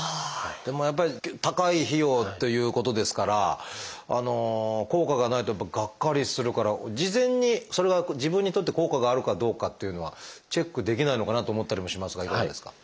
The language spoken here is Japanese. でもやっぱり高い費用ということですから効果がないとやっぱりがっかりするから事前にそれは自分にとって効果があるかどうかっていうのはチェックできないのかなと思ったりもしますがいかがですか？